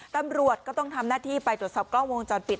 ตำรวจก็ต้องทำหน้าที่ไปตรวจสอบกล้องวงจรปิด